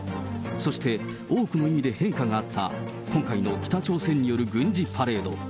そして多くの意味で変化があった今回の北朝鮮による軍事パレード。